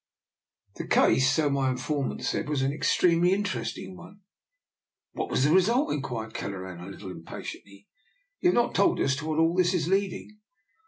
The case, so my informant said, was an extremely interesting one." " But what was the result? " inquired Kel leran, a little impatiently. " You have not told us to what all this is leading."